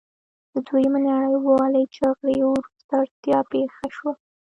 د دویمې نړیوالې جګړې وروسته اړتیا پیښه شوه.